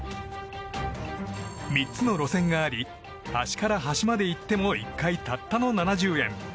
３つの路線があり端から端まで行っても１回たったの７０円。